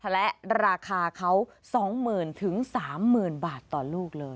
และราคาเขา๒๐๐๐๓๐๐๐บาทต่อลูกเลย